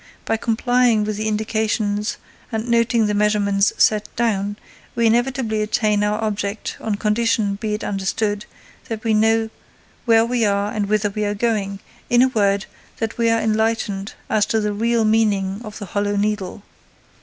By complying with the indications and noting the measurements set down, we inevitably attain our object, on condition, be it understood, that we know where we are and whither we are going, in a word, that we are enlightened as to the real meaning of the Hollow Needle.